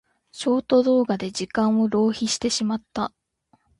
ショート動画で時間を浪費してしまった。